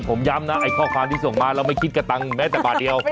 ผมย้ำนะไอ้ข้อความที่ส่งมาเราไม่คิดกระตังค์แม้แต่บาทเดียว